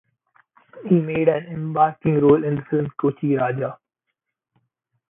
He made an embarking role in the film as Kochi Raja.